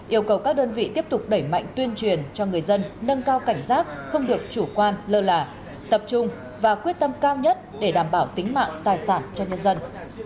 yêu cầu các đơn vị tiếp tục đẩy mạnh tuyên truyền cho người dân nâng cao cảnh giác không được chủ quan lơ là tập trung và quyết tâm cao nhất để đảm bảo tính mạng tài sản cho nhân dân